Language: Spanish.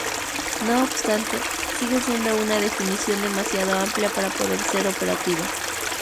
No obstante, sigue siendo una definición demasiado amplia para poder ser operativa.